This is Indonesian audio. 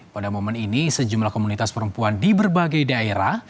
pada momen ini sejumlah komunitas perempuan di berbagai daerah